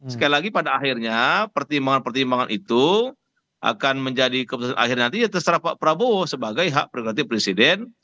sekali lagi pada akhirnya pertimbangan pertimbangan itu akan menjadi keputusan akhirnya nanti ya terserah pak prabowo sebagai hak prerogatif presiden